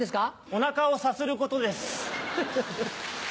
お腹をさすることです。